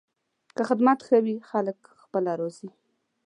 که خدمت ښه وي، خلک پخپله راځي.